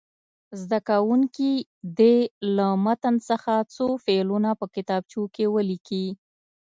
زده کوونکي دې له متن څخه څو فعلونه په کتابچو کې ولیکي.